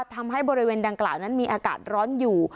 ทำให้บริเวณดังกล่าวนั้นมีอากาศร้อนอยู่